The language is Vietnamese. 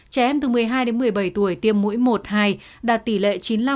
trẻ em từ một mươi hai đến một mươi bảy tuổi tiêm mũi một hai đạt tỷ lệ chín mươi năm